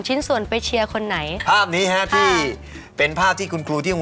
ชิ้นส่วนไปเชียร์คนไหนภาพนี้ฮะที่เป็นภาพที่คุณครูที่ห้อง